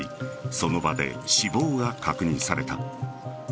その場で死亡が確認された。